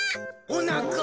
おなか。